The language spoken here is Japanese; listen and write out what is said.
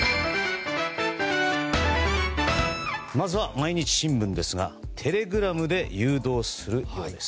まずは毎日新聞ですがテレグラムで誘導するようです。